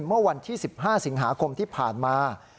เมื่อวันที่๑๕สิงหาคมที่ผ่านมา